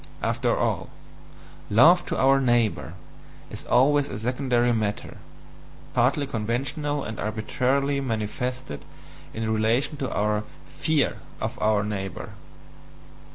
After all, "love to our neighbour" is always a secondary matter, partly conventional and arbitrarily manifested in relation to our FEAR OF OUR NEIGHBOUR.